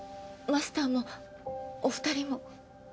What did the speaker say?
マスターもお２人も。